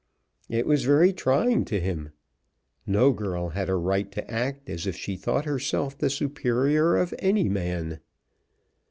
It was very trying to him. No girl had a right to act as if she thought herself the superior of any man.